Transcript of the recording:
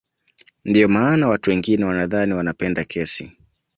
Ndio maana watu wengine wanadhani wanapenda kesi